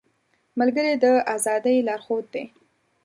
ملګری د ازادۍ لارښود دی